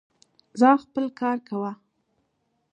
ځاا خپل کار کوه